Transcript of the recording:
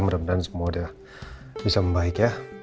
mudah mudahan semua sudah bisa membaik ya